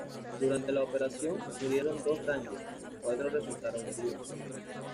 Durante la operación murieron dos rangers, cuatro resultaron heridos.